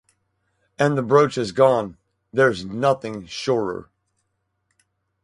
And the brooch is gone, there’s nothing surer.